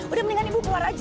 udah mendingan ibu keluar aja